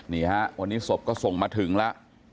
นี่ฮะวันนี้โศซ่งมาถึงละ